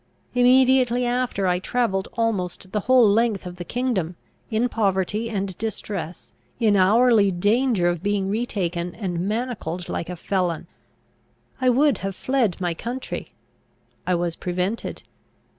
Immediately after, I travelled almost the whole length of the kingdom, in poverty and distress, in hourly danger of being retaken and manacled like a felon. I would have fled my country; I was prevented.